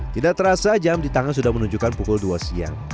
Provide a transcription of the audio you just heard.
tidak terasa jam di tangan sudah menunjukkan pukul dua siang